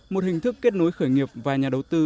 một hình thức kết nối khởi nghiệp và nhà đầu tư